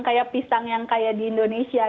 kayak pisang yang kayak di indonesia